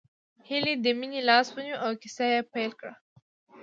هيلې د مينې لاس ونيو او کيسه يې پيل کړه